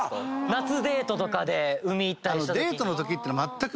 夏デートとかで海行ったり。